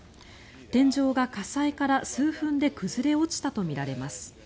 天井が火災から数分で崩れ落ちたとみられます。